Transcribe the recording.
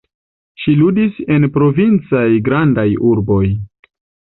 Ŝi ludis en provincaj grandaj urboj.